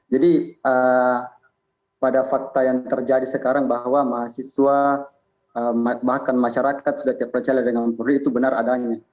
jadi pada fakta yang terjadi sekarang bahwa mahasiswa bahkan masyarakat sudah terpercaya dengan polri itu benar adanya